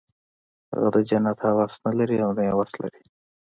هغه د جنت هوس نه لري او نه یې وس لري